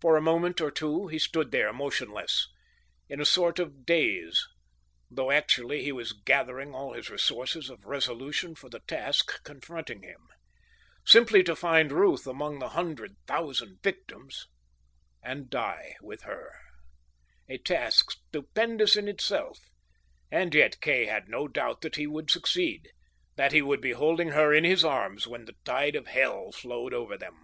For a moment or two he stood there motionless, in a sort of daze, though actually he was gathering all his reserves of resolution for the task confronting him. Simply to find Ruth among the hundred thousand victims, and die with her. A task stupendous in itself, and yet Kay had no doubt that he would succeed, that he would be holding her in his arms when the tide of hell flowed over them.